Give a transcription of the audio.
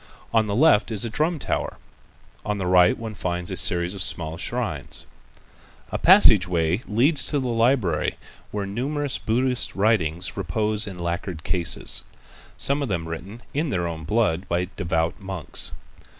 On the left is a drum tower. On the right one finds a series of small shrines. A passage way leads to the library where numerous Buddhist writings repose in lacquered cases, some of them written in their own blood by devout monks.